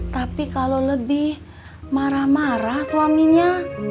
tapi kalau lebih marah marah suaminya